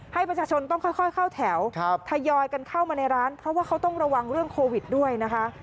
ให้ประชาชนต้องค่อยเข้าแถวทยอยกันเข้ามาในร้านเพราะว่าเขาต้องระวังเรื่องโควิดด้วยนะคะ